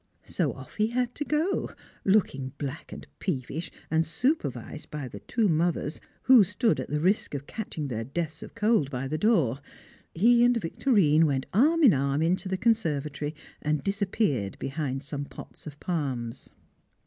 So off he had to go, looking black and peevish, and supervised by the two mothers who stood at the risk of catching their deaths of cold by the door he and Victorine went arm in arm into the conservatory, and disappeared behind some pots of palms.